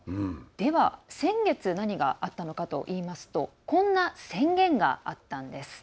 では、先月何があったのかといいますとこんな宣言があったんです。